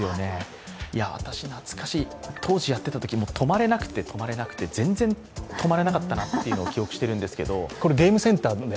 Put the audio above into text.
私、懐かしい、当時やってたとき止まれなくて、止まれなくて、全然止まれなかったなと記憶しているんですけど。